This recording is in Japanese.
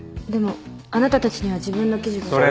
でもあなたたちには自分の記事が。